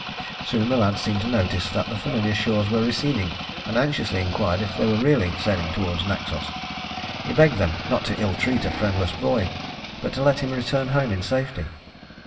Soon the lad seemed to notice that the familiar shores were receding, and anxiously inquired if they were really sailing toward Naxos. He begged them not to ill treat a friendless boy; but to let him return home in safety.